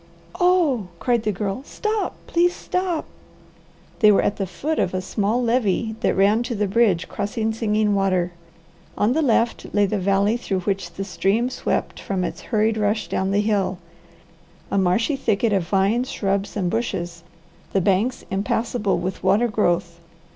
"Oh," cried the Girl. "Stop! Please stop!" They were at the foot of a small levee that ran to the bridge crossing Singing Water. On the left lay the valley through which the stream swept from its hurried rush down the hill, a marshy thicket of vines, shrubs, and bushes, the banks impassable with water growth.